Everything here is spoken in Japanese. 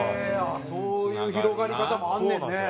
そういう広がり方もあんねんね。